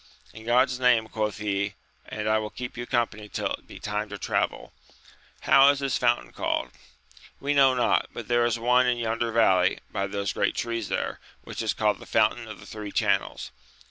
In God's name, quoth he, and I will keep you company till it be time to travel : how is this fountain called ?— We know not, but there is one in yonder valley, by those great trees there, which is called the Fountain of the Three Channels.